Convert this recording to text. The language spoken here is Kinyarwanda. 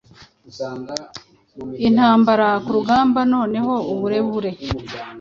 Intambara-ku rugamba Noneho uburebure